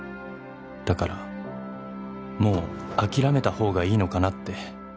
「だからもう諦めた方がいいのかなって」